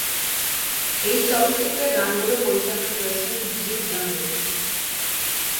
এই চলচ্চিত্রের গানগুলো পরিচালনা করেছেন জিৎ গাঙ্গুলী।